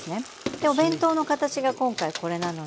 でお弁当の形が今回これなので。